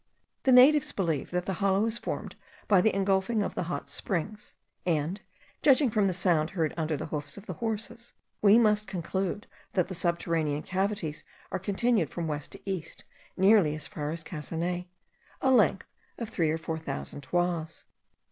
The natives believe that the hollow is formed by the engulfing of the hot springs; and, judging from the sound heard under the hoofs of the horses, we must conclude that the subterranean cavities are continued from west to east nearly as far as Casanay, a length of three or four thousand toises.